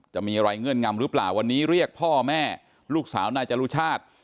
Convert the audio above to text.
จะมีอะไรเงื่อนงำหรือเปล่าวันนี้เรียกพ่อแม่ลูกสาวนายจรุชาติ